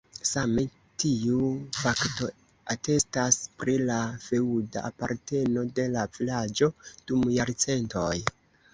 Same tiu fakto atestas pri la feŭda aparteno de la vilaĝo dum jarcentoj.